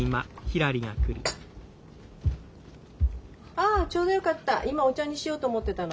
ああちょうどよかった今お茶にしようと思ってたの。